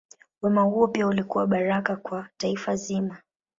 Wema huo pia ulikuwa baraka kwa taifa zima.